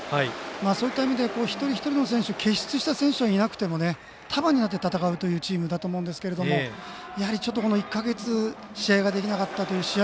そういった意味で一人一人の選手突出した選手はいなくても束になって戦うというチームだと思うんですけども１か月、試合ができなかったという試合